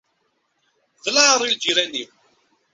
D lɛar i lǧiran-iw.